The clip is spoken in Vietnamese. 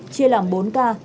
để làm bốn k